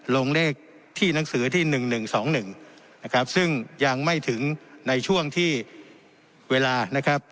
ลงเลขที่หนังสือที่หนึ่งหนึ่งสองหนึ่งนะครับซึ่งยังไม่ถึงในช่วงที่เวลานะครับ